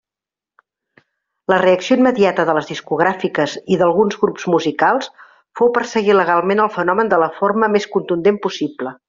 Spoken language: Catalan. La reacció immediata de les discogràfiques i d'alguns grups musicals fou perseguir legalment el fenomen de la forma més contundent possible.